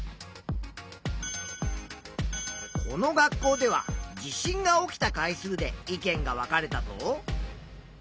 この学校では地震が起きた回数で意見が分かれたぞ。